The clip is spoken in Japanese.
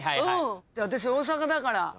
私大阪だから。